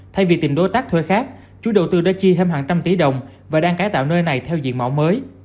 thay vì tìm đối tác thuê khác chú đầu tư đã chi thêm hàng trăm tỷ đồng và đang cải tạo nơi này theo diện mạo mới